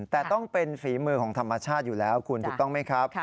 แต่ต้องเป็นฝีมือของธรรมชาติอยู่แล้วคุณถูกต้องไหมครับ